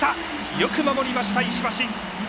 よく守りました、石橋。